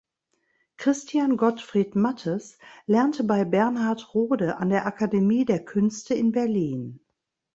Christian Gottfried Matthes lernte bei Bernhard Rode an der Akademie der Künste in Berlin.